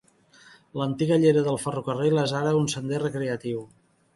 L'antiga llera del ferrocarril és ara un sender recreatiu.